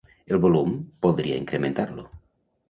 El volum, voldria incrementar-lo.